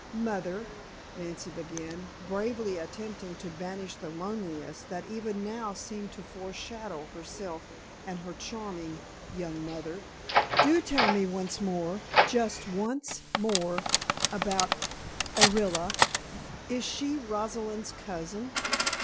"Mother," Nancy began, bravely attempting to banish the loneliness that even now seemed to foreshadow herself and her charming young mother, "do tell me once more, just once more, about Orilla. Is she Rosalind's cousin?"